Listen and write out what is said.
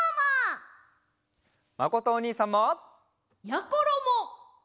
まことおにいさんも！やころも！